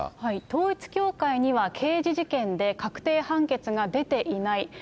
統一教会には刑事事件で確定判決が出ていない。